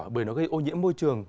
bởi nó gây ô nhiễm môi trường